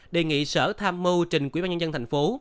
đề nghị sở tham mưu trình quỹ ban nhân dân thành phố